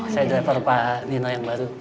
saya driver pak dino yang baru